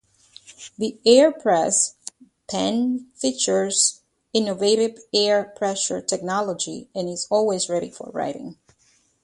The AirPress Pen features innovative air pressure technology and is always ready for writing.